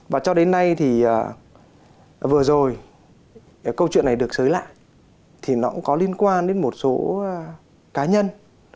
và cho đến nay thì vừa rồi câu chuyện này được xới lại thì nó cũng có liên quan đến một số cá nhân